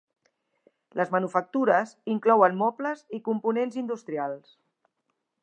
Les manufactures inclouen mobles i components industrials.